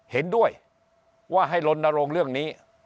เห็นด้วยว่าให้ลนโรงเรื่องนี้